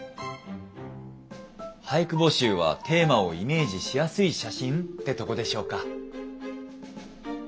俳句募集はテーマをイメージしやすい写真ってとこでしょうか。